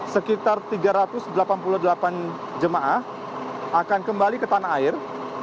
sekitar tiga ratus delapan puluh delapan jemaah akan kembali ke tanah air